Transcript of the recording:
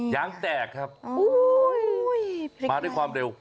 ยางแตกครับมาด้วยความเร็ว